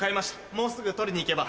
もうすぐ取りに行けば。